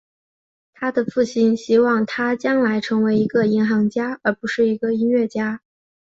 他的父亲希望他将来成为一个银行家而不是一个音乐家。